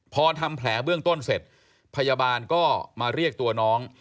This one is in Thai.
พอทำแผลเบื้องต้นเสร็จพยาบาลก็มาเรียกตัวน้อง